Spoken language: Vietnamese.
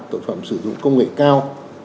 tội phạm sử dụng công nghệ cao